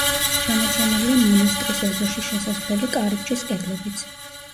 შემორჩენილია მონასტრის ეზოში შესასვლელი კარიბჭის კედლებიც.